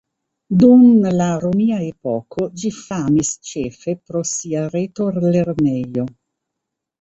Dum la romia epoko ĝi famis ĉefe pro sia retor-lernejo.